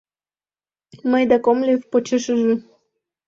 Мый да Комлев — почешыже.